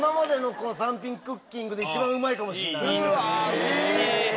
うれしい！